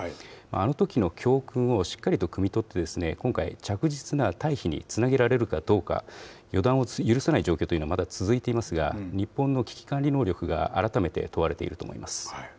あのときの教訓をしっかりとくみ取って、今回、着実な退避につなげられるかどうか、予断を許さない状況というのはまだ続いていますが、日本の危機管理能力が改めて問われていると思います。